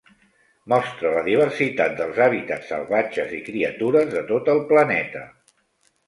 Mostra la diversitat dels hàbitats salvatges i criatures de tot el planeta.